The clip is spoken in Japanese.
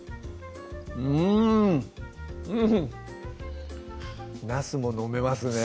うんうんなすも飲めますね